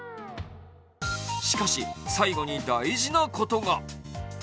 しかし、最後に大事なことが。